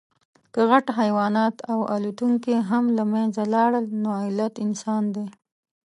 که غټ حیوانات او الوتونکي هم له منځه لاړل، نو علت انسان دی.